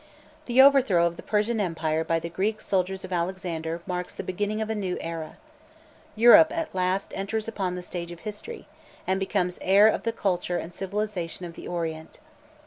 The overthrow of the Persian empire by the Greek soldiers of Alexander marks the beginning of a new era. Europe at last enters upon the stage of history, and becomes the heir of the culture and civilisation of the Orient.